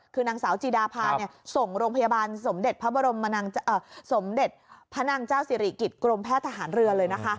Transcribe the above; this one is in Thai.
คือนางสาวจีดาพาส่งโรงพยาบาลสมเด็จพระบรมสมเด็จพระนางเจ้าสิริกิจกรมแพทย์ทหารเรือเลยนะคะ